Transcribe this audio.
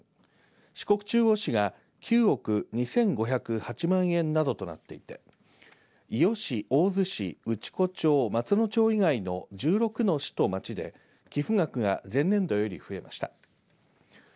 四国中央市が９億２５０８万円などとなっていて伊予市、大洲市、内子町松野町以外の１６の市と町で寄付額が前年度より増えました。